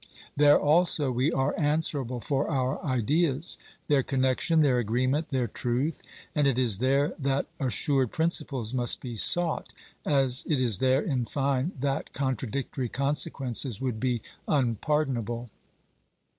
There also we are answerable for our ideas, their connection, their agreement, their truth ; and it is there that assured principles must be sought, as it is there, in fine, that contradictory consequences would be unpardonable.